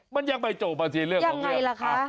มันยังไม่โจมตีเรื่องของเรื่องยังไงล่ะคะ